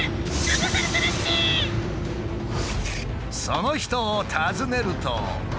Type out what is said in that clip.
その人を訪ねると。